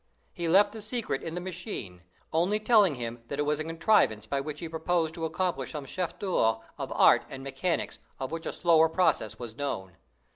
He left the secret in the machine, only telling him that it was a contrivance by which he proposed to accomplish some chefs d'œuvre of art and mechanics of which a slower process was known.